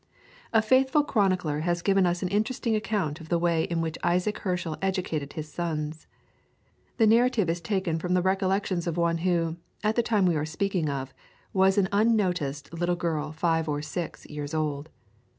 A faithful chronicler has given us an interesting account of the way in which Isaac Herschel educated his sons; the narrative is taken from the recollections of one who, at the time we are speaking of, was an unnoticed little girl five or six years old.